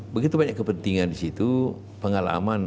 begitu banyak kepentingan di situ pengalaman